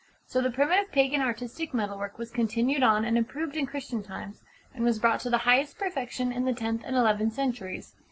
So the primitive pagan artistic metal work was continued on and improved in Christian times, and was brought to the highest perfection in the tenth and eleventh centuries.